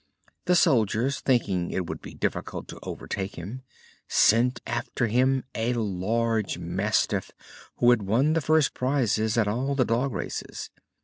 The soldiers, thinking it would be difficult to overtake him, sent after him a large mastiff who had won the first prizes at all the dog races.